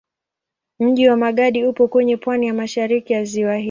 Mji wa Magadi upo kwenye pwani ya mashariki ya ziwa hili.